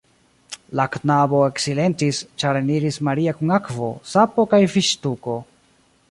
La knabo eksilentis, ĉar eniris Maria kun akvo, sapo kaj viŝtuko.